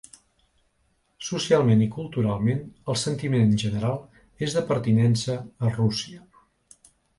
Socialment i culturalment, el sentiment general és de pertinença a Rússia.